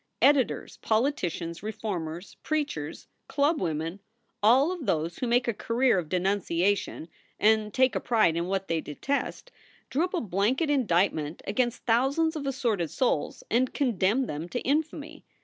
Editors, politicians, reformers, preachers, clubwomen, all of those who make a career of denunciation and take a pride in what they detest, drew up a blanket indictment against thousands of assorted souls and condemned them to infamy.